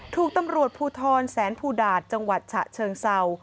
ถูกตำรวจภูทรแสนภูดาตจังหวัดฉะเชิงเศร้า